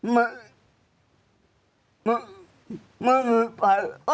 ไม่มีใครไป